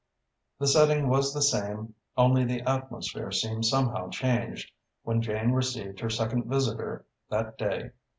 The setting was the same only the atmosphere seemed somehow changed when Jane received her second visitor that day.